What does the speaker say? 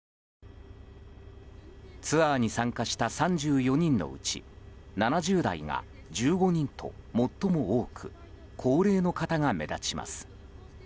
ツアーに参加した３４人のうち７０代が１５人と最も多く高齢の方が目立ちます。